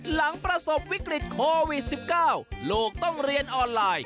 หลังประสบวิกฤตโควิด๑๙ลูกต้องเรียนออนไลน์